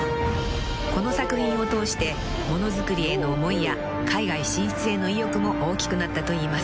［この作品を通して物作りへの思いや海外進出への意欲も大きくなったといいます］